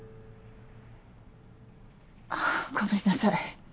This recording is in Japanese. あごめんなさい